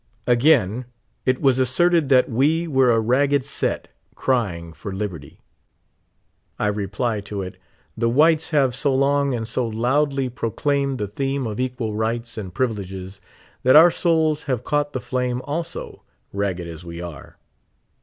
5t Again. It was asserted that we were k "ragged set, crying for liberty." I reply to it : The whites have so long and so londly proclaimed tlie theme of equal riglits and privileges, that our^souls have caught the flame also, ragged as we are.